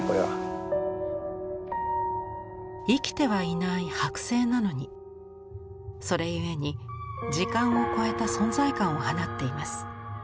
生きてはいないはく製なのにそれゆえに時間を超えた存在感を放っています。